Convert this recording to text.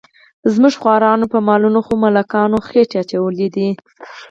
زموږ خوارانو په مالونو خو ملکانو خېټه اچولې ده.